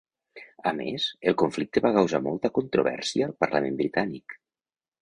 A més, el conflicte va causar molta controvèrsia al parlament britànic.